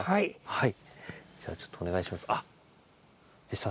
はい。